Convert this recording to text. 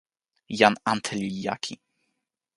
jan ante li jaki.